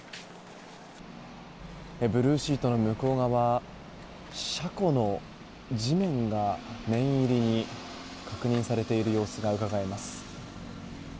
ブルーシートの向こう側車庫の地面が念入りに確認されている様子がうかがえます。